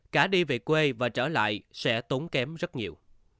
cả đi về quê và trở lại sẽ tốn kém rất nhiều